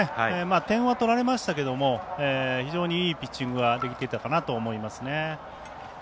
点は取られましたけれども非常にいいピッチングはできていたかなと思いますね。